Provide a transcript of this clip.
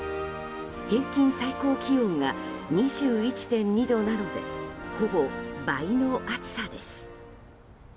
平均最高気温が２１．２度なのでほぼ倍の暑さです。